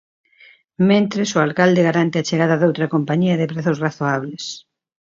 Mentres, o alcalde garante a chegada doutra compañía de prezos razoables.